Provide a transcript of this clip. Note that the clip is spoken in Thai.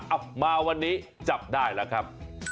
เอามาวันนี้จับได้แล้วครับ